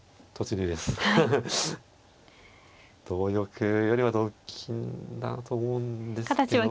同玉よりは同金だと思うんですけど。